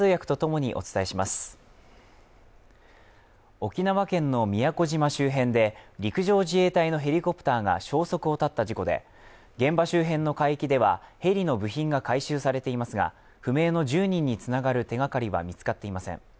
沖縄県の宮古島周辺で陸上自衛隊のヘリコプターが消息を絶った事故で現場周辺の海域ではヘリの部品が回収されていますが不明の１０人につながる手がかりは見つかっていません。